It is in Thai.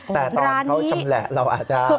แต่ตอนเขาชำแหละเราอาจจะ